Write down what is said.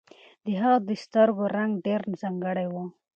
د هغې د سترګو رنګ ډېر ځانګړی و.